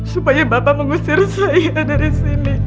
supaya bapak mengusir saya dari sini